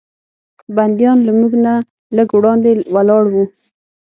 بندیان له موږ نه لږ وړاندې ولاړ و.